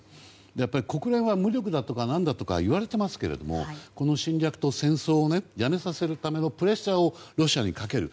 やっぱり国連は無力だとかなんだとか言われていますけれどもこの侵略と戦争をやめさせるためのプレッシャーをロシアにかける。